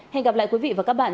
hẹn gặp lại quý vị và các bạn